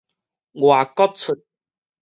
外國齣